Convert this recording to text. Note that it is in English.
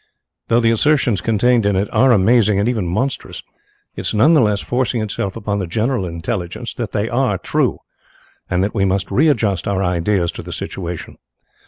Though the assertions contained in it are amazing and even monstrous, it is none the less forcing itself upon the general intelligence that they are true, and that we must readjust our ideas to the new situation.